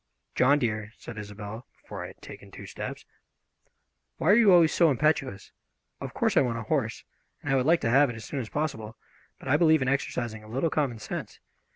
"John, dear," said Isobel, before I had taken two steps, "why are you always so impetuous? Of course I want a horse, and I would like to have it as soon as possible, but I believe in exercising a little common sense.